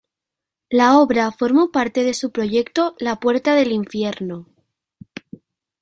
La obra formó parte de su proyecto La puerta del infierno.